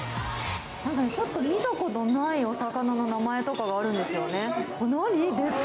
ちょっと見たことのないお魚の名前とかがあるんですよね。